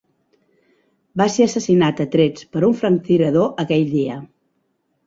Va ser assassinat a trets per un franctirador aquell dia.